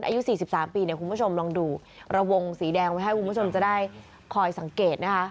อายุ๔๓ปีเนี่ยคุณผู้ชมลองดูระวงสีแดงไว้ให้คุณผู้ชมจะได้คอยสังเกตนะคะ